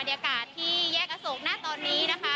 บรรยากาศที่แยกอโศกหน้าตอนนี้นะคะ